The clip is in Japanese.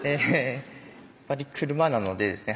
やっぱり車なのでですね